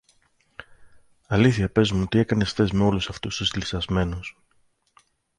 Αλήθεια, πες μου, τι έκανες χθες με όλους αυτούς τους λυσσασμένους;